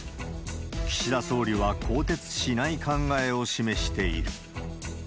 岸田総理は更迭しない考えを示している。